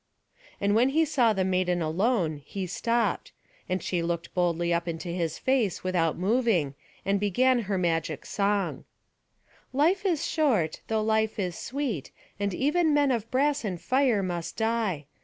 And when he saw the maiden alone, he stopped; and she looked boldly up into his face without moving, and began her magic song: "Life is short, though life is sweet; and even men of brass and fire must die.